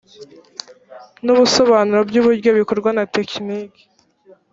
ni ibisobanuro by’uburyo bikorwa na tekiniki